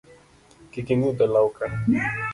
Kik ing’udh olawo ka